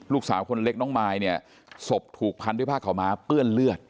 ลูกสาวคนเล็กน้องมายเนี่ยศพถูกพันด้วยผ้าขาวม้าเปื้อนเลือด